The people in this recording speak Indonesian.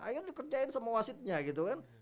akhirnya dikerjain sama wasitnya gitu kan